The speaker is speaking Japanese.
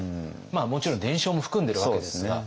もちろん伝承も含んでいるわけですが。